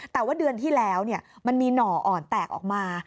แต่ว่าเดือนที่แล้วมันมีหน่ออ่อนแตกออกมา